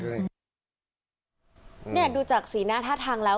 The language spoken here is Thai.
เนี้ยนี่ดูจากศีลหน้าท่าทางแล้ว